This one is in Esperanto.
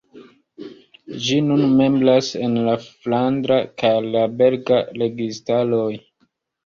Ĝi nun membras en la flandra kaj la belga registaroj.